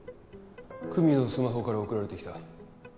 久実のスマホから送られてきた。